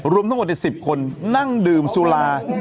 รวมทั้งหมดใน๑๐คนนั่งดื่มสุรา